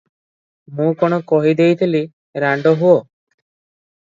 ମୁଁ କଣ କହି ଦେଇଥିଲି, ରାଣ୍ଡ ହୁଅ?